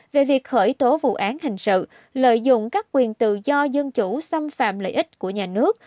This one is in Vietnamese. về việc khởi tố vụ án hình sự lợi dụng các quyền tự do dân chủ xâm phạm lợi ích của nhà nước